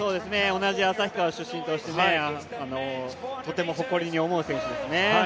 同じ旭川出身としてとても誇りに思う選手ですね。